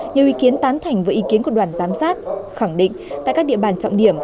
nhiều ý kiến tán thành với ý kiến của đoàn giám sát khẳng định tại các địa bàn trọng điểm